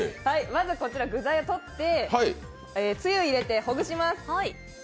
まず、こちら具材をとって汁を入れてほぐします。